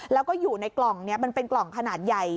แล้วก็อยู่ในกล่องมันเป็นกล่องขนาดใหญ่